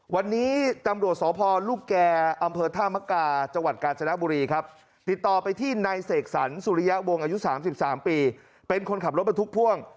วันนี้ตำรวจสพลูกแก่อำเภอธามกาจังหวัดกาญจนบุรีครับติดต่อไปที่นายเสกสรรสุริยะวงอายุ๓๓ปีเป็นคนขับรถบรรทุกพ่วง